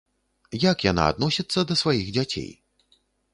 Як яна адносіцца да сваіх дзяцей?